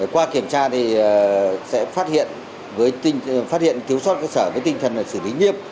qua kiểm tra thì sẽ phát hiện thiếu soát cơ sở với tinh thần xử lý nghiêm